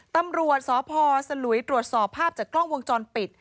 ตำรวจสพสลุยตรวจสอบภาพจากกล้องวงจรปิด